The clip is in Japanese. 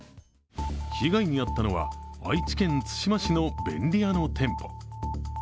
被害に遭ったのは愛知県津島市の便利屋の店舗。